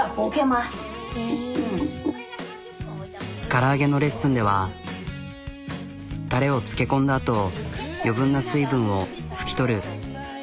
から揚げのレッスンではタレを漬け込んだあと余分な水分を拭き取る。